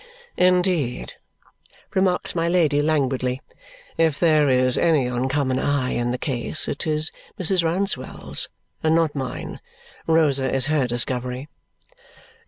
"Indeed," remarks my Lady languidly, "if there is any uncommon eye in the case, it is Mrs. Rouncewell's, and not mine. Rosa is her discovery."